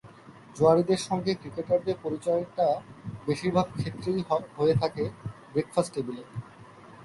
জুয়াড়িদের সঙ্গে ক্রিকেটারদের পরিচয়টা বেশির ভাগ ক্ষেত্রেই হয়ে থাকে ব্রেকফাস্ট টেবিলে।